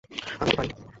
আমি তো পারি।